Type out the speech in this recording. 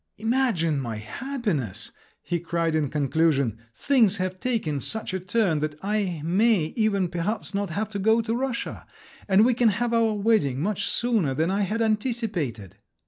"Imagine my happiness," he cried in conclusion: "things have taken such a turn that I may even, perhaps, not have to go to Russia! And we can have our wedding much sooner than I had anticipated!"